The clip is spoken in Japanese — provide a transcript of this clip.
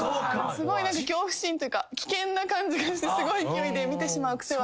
すごい恐怖心というか危険な感じがしてすごい勢いで見てしまう癖はあると思います。